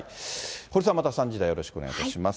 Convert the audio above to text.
堀さん、また３時台によろしくお願いします。